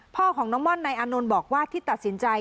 พ่อของน้องม่อนนายอานนท์บอกว่าที่ตัดสินใจ